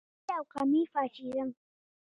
مذهبي او قومي فاشیزم.